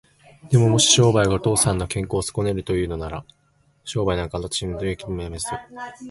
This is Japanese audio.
でも、もし商売がお父さんの健康をそこねるというのなら、商売なんかあしたにでも永久にやめますよ。そんなことはいけません。